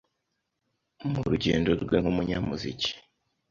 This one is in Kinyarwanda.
Mu rugendo rwe nk’umunyamuziki,